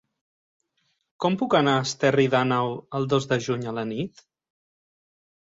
Com puc anar a Esterri d'Àneu el dos de juny a la nit?